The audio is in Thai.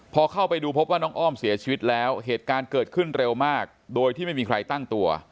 พอเข้าไปดูพบว่าน้องอ้อมเสียชีวิตแล้วเหตุการณ์เกิดขึ้นเร็วมากโดยที่ไม่มีใครตั้งตัว